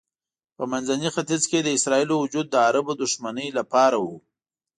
په منځني ختیځ کې د اسرائیلو وجود د عربو د دښمنۍ لپاره و.